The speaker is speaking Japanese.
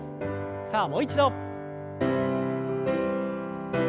さあもう一度。